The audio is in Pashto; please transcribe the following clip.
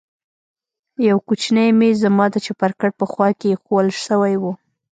يو کوچنى ميز زما د چپرکټ په خوا کښې ايښوول سوى و.